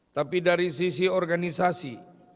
tapi dari sisi organisasi